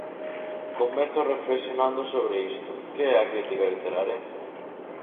Comezo reflexionando sobre isto: que é a crítica literaria?